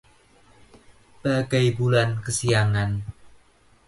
Bagai bulan kesiangan